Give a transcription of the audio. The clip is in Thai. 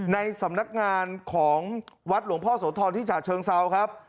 ในสำนักงานของวัดหลวงพ่อโสธรที่ฉะเชิงเซาครับ